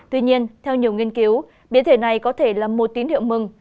tuy nhiên theo nhiều nghiên cứu biến thể này có thể là một tín hiệu mừng